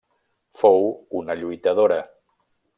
Fou una lluitadora.